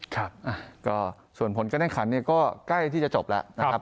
ครับส่วนผลการเห็นคันก็ใกล้ที่จะจบแล้ว